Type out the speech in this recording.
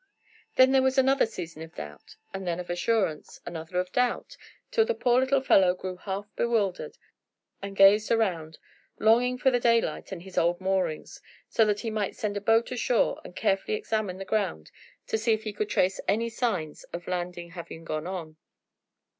Then there was another season of doubt and then of assurance another of doubt, till the poor little fellow grew half bewildered, and gazed around, longing for the daylight and his old moorings, so that he might send a boat ashore, and carefully examine the ground, to see if he could trace any signs of landing having gone on.